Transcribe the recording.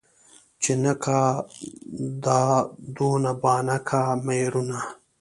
ـ چې نه کا دادونه بانه کا مېړونه.